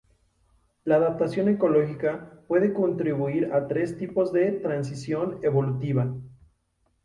La adaptación ecológica puede contribuir a tres tipos de transición evolutiva.